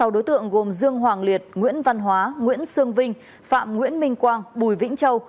sáu đối tượng gồm dương hoàng liệt nguyễn văn hóa nguyễn sương vinh phạm nguyễn minh quang bùi vĩnh châu